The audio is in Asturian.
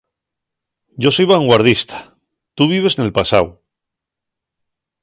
Yo soi vanguardista, tu vives nel pasáu.